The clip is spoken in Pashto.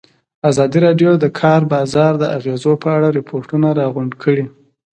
ازادي راډیو د د کار بازار د اغېزو په اړه ریپوټونه راغونډ کړي.